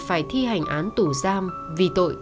phải thi hành án tủ giam vì tội